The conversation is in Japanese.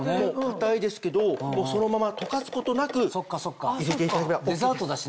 硬いですけどそのまま溶かすことなく入れていただければＯＫです。